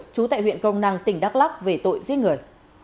trú tại huyện crong năng tỉnh đắk lắc về tội giết người